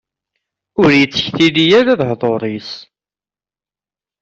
Ur ittektili ara lehḍur-is.